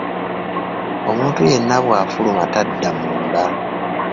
Omuntu yenna bw'afuluma tadda munda.